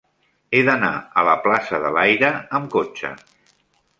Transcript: He d'anar a la plaça de l'Aire amb cotxe.